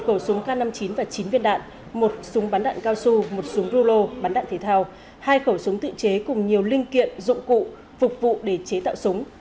hai khẩu súng k năm mươi chín và chín viên đạn một súng bắn đạn cao su một súng rulo bắn đạn thể thao hai khẩu súng tự chế cùng nhiều linh kiện dụng cụ phục vụ để chế tạo súng